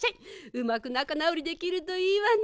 うまくなかなおりできるといいわね。